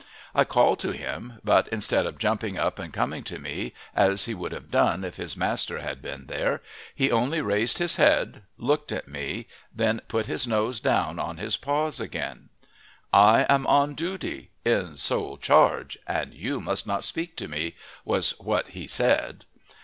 I called to him, but instead of jumping up and coming to me, as he would have done if his master had been there, he only raised his head, looked at me, then put his nose down on his paws again. I am on duty in sole charge and you must not speak to me, was what he said.